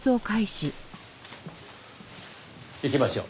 行きましょう。